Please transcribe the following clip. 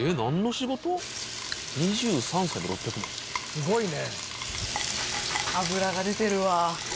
「すごいね」